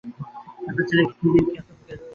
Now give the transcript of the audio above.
আপনার ছেলে কি থুড়িই আর মৃত্যুর মুখে রয়েছে?